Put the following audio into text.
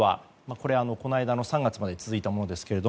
これは、この間の３月まで続いたものですが。